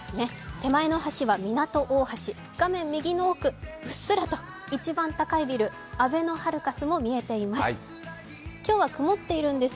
手前の端は港大橋画面奥、うっすらと一番高いビル、あべのハルカスも見えています。